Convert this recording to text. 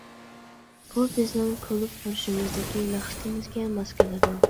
بۇ بىزنىڭ كۇلۇب قۇرۇشىمىزدىكى مەقسىتىمىزگە ماس كېلىدۇ.